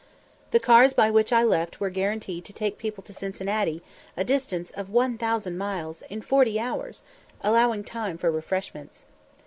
The cars by which I left were guaranteed to take people to Cincinnati, a distance of 1000 miles, in 40 hours, allowing time for refreshments!